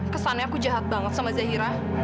kesannya aku jahat banget sama zahira